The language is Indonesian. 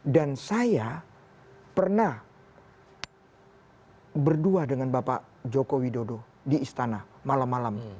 dan saya pernah berdoa dengan bapak joko widodo di istana malam malam